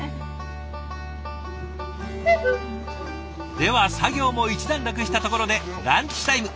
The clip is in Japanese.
では作業も一段落したところでランチタイム。